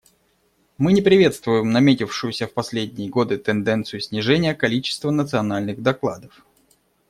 Мы не приветствуем наметившуюся в последние годы тенденцию снижения количества национальных докладов.